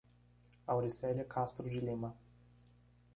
Auricelia Castro de Lima